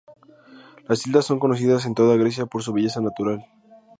Las islas son conocidas en toda Grecia por su belleza natural.